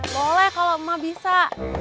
boleh kalau emak bisa